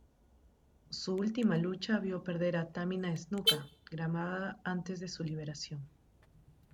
Su última lucha vio perder a Tamina Snuka, grabada antes de su liberación.